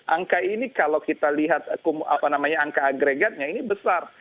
angka ini kalau kita lihat angka agregatnya ini besar